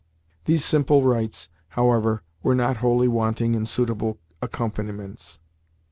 These simple rites, however, were not wholly wanting in suitable accompaniments.